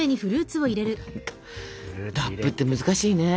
ラップって難しいね。